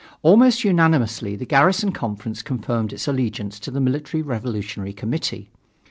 Almost unanimously the Garrison Conference confirmed its allegiance to the Military Revolutionary Committee.